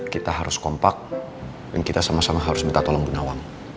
kita harus kompak dan kita sama sama harus minta tolong gunawan